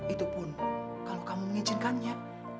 itupun kalau kamu mengizinkannya